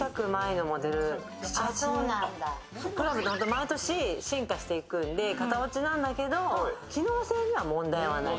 毎年進化していくんで、型落ちなんだけど、機能性には問題はない。